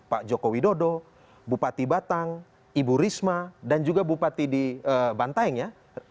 pak joko widodo bupati batang ibu risma dan juga bupati di bantaeng ya